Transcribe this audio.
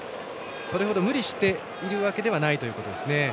それほど無理しているわけではないということですね。